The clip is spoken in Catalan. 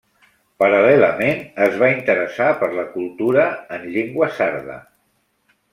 Paral·lelament es va interessar per la cultura en llengua sarda.